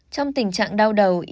trong tình trạng đau đầu